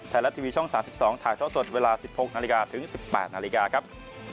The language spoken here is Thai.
แถวและทีวีช่อง๓๒ถ่ายเท่าสดเวลา๑๖๑๘นาฬิกาครับ